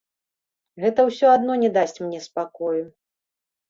Гэта ўсё адно не дасць мне спакою.